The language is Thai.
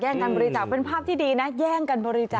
แย่งกันบริจักษ์เป็นภาพที่ดีนะแย่งกันบริจักษ์